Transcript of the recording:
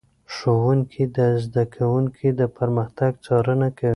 ښوونکي د زده کوونکو د پرمختګ څارنه کوي.